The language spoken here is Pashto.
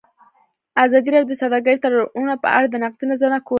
ازادي راډیو د سوداګریز تړونونه په اړه د نقدي نظرونو کوربه وه.